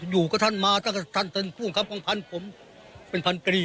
อยู่กับท่านมากับท่านเป็นผู้ข้ามของท่านผมเป็นพันตรี